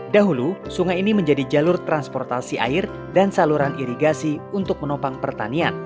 dahulu sungai ini menjadi jalur transportasi air dan saluran irigasi untuk menopang pertanian